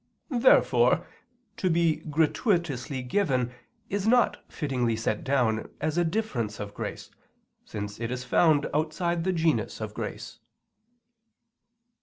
Therefore to be gratuitously given is not fittingly set down as a difference of grace, since it is found outside the genus of grace.